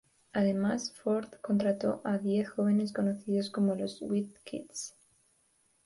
Además, Ford contrató a diez jóvenes conocidos como los "whiz kids".